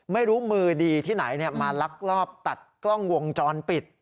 ไม่รู้มือดีที่ไหนมาลักลอบตัดกล้องวงจรปิด